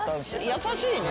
優しいね。